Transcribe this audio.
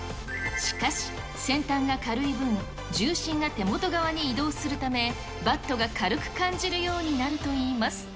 しかし、先端が軽い分、重心が手元側に移動するため、バットが軽く感じるようになるといいます。